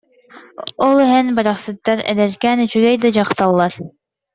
Ол иһэн: «Барахсаттар, эдэркээн, үчүгэй да дьахталлар